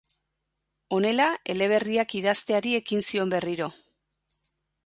Honela eleberriak idazteari ekin zion berriro.